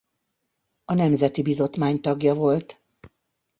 A Nemzeti Bizottmány tagja volt.